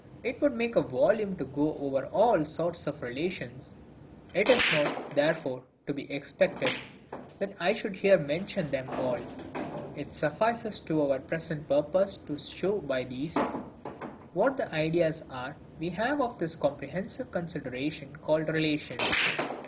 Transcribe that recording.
It would make a volume to go over all sorts of RELATIONS: it is not, therefore, to be expected that I should here mention them all. It suffices to our present purpose to show by these, what the ideas are we have of this comprehensive consideration called RELATION.